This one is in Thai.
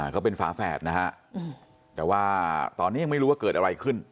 เขาเป็นฝาแฝดนะฮะแต่ว่าตอนนี้ยังไม่รู้ว่าเกิดอะไรขึ้น